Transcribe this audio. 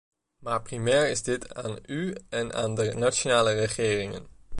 Maar primair is dit aan u en aan de nationale regeringen.